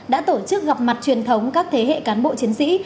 đã tổ chức gặp mặt truyền thống các thế hệ cán bộ chiến sĩ